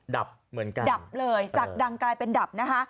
ดับเหมือนกันดับเลยจากดังกลายเป็นดับนะคะ